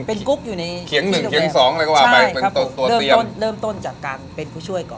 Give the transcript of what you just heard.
เป็นกุ๊กอยู่ในเคียงหนึ่งเคียงสองอะไรก็ว่าไปเป็นตัวเตรียมต้นเริ่มต้นจากการเป็นผู้ช่วยก่อน